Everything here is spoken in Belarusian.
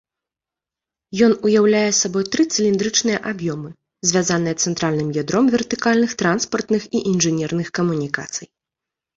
Ён уяўляе сабой тры цыліндрычныя аб'ёмы, звязаныя цэнтральным ядром вертыкальных транспартных і інжынерных камунікацый.